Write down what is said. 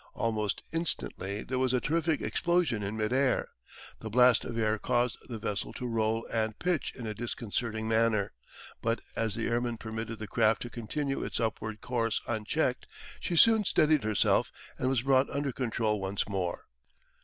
Almost instantly there was a terrific explosion in mid air. The blast of air caused the vessel to roll and pitch in a disconcerting manner, but as the airman permitted the craft to continue its upward course unchecked, she soon steadied herself and was brought under control once more.